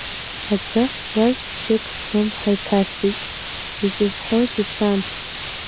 Адәахь уаз бжьык слымҳа иҭасит, изызҳәозеи, сан?